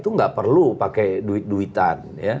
itu nggak perlu pakai duit duitan